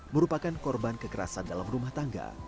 merupakan korban kekerasan dalam rumah tangga